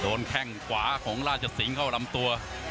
แข้งขวาของราชสิงห์เข้าลำตัว